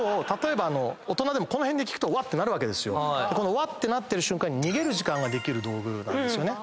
うわっ！ってなってる瞬間に逃げる時間ができる道具なんです。